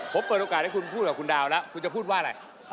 ผมเปิดโอกาสให้คุณพูดกับคุณดาวแล้วคุณจะพูดว่าอะไร